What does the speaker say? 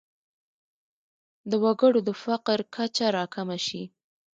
د وګړو د فقر کچه راکمه شي.